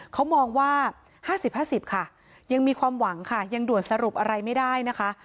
เขามองว่า๕๐๕๐ค่ะยังมีความหวังค่ะยังด่วนสรุปอะไรไม่ได้นะคะ